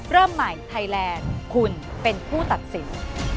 เริ่มใหม่ไทยแลนด์คุณเป็นผู้ตัดสิน